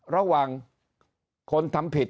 ระหว่างคนทำผิด